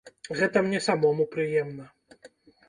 Гэта мне самому прыемна.